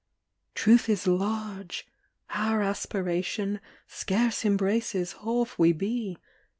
Truth is large. Our aspiration Scarce embraces half we be.